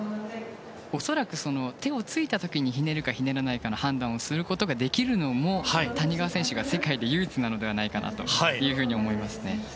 恐らく手をついた時にひねるかひねらないかの判断をすることができるのも谷川選手が世界で唯一なのではないかなと思いますね。